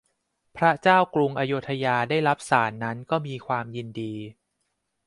พระเจ้ากรุงอโยธยาได้รับสาสน์นั้นก็มีความยินดี